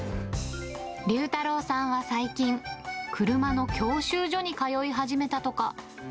隆太郎さんは最近、車の教習所に通い始めたとか。